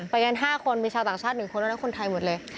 ไปกัน๕คนมีชาวต่างชาติ๑คนแล้วนะคนไทยหมดเลย